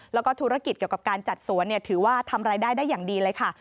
แล้วก็ธุรกิจเกี่ยวกับการจัดสวนถือว่าทำรายได้ได้อย่างดีเลยค่ะ